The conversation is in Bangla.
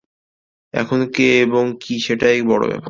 এখন কে এবং কী সেটাই বড় ব্যাপার!